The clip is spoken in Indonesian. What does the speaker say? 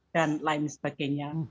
dan lain sebagainya